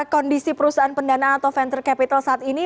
kondisi perusahaan pendanaan atau venture capital saat ini